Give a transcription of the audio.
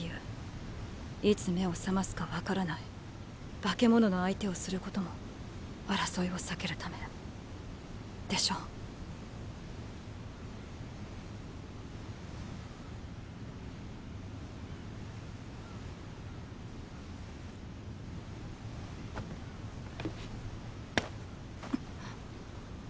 いつ目を覚ますかわからない「女型の巨人」の相手をすることも争いを避けるためでしょ？っ！